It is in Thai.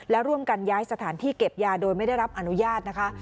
และร่วมกันย้ายสถานที่เก็บยาโดยไม่ได้รับอนุญาตนะคะ